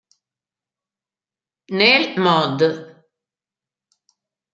Nel Mod.